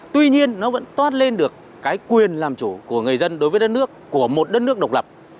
tuy nhiên nó vẫn toát lên được cái quyền làm chủ của người dân đối với đất nước của một đất nước độc lập